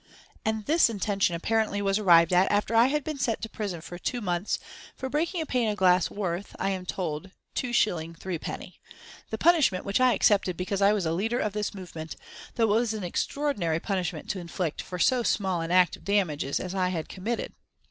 And this intention apparently was arrived at after I had been sent to prison for two months for breaking a pane of glass worth, I am told, 2s. 3d., the punishment which I accepted because I was a leader of this movement, though it was an extraordinary punishment to inflict for so small an act of damages as I had committed.